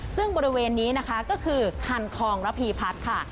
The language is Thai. ซึ่งบริเวณนี้นะคะก็คือคันคองระพีพัฒน์ค่ะ